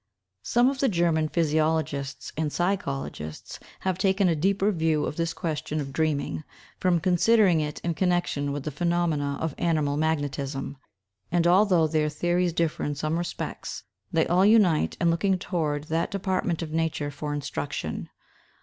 Some of the German physiologists and psychologists have taken a deeper view of this question of dreaming, from considering it in connection with the phenomena of animal magnetism; and although their theories differ in some respects, they all unite in looking toward that department of nature for instruction.